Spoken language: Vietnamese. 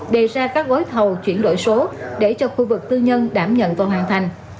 đề ra các gói thầu chuyển đổi số để cho khu vực tư nhân đảm nhận và hoàn thành